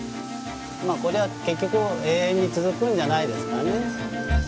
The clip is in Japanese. まあこれは結局永遠に続くんじゃないですかね。